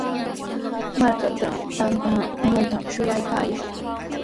Markaatrawmi tamyamuntami shuyaykaayaa.